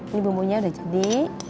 ini bumbunya udah jadi